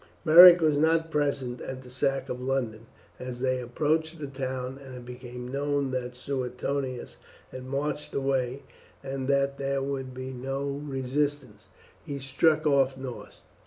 Beric was not present at the sack of London. As they approached the town and it became known that Suetonius had marched away, and that there would be no resistance, he struck off north.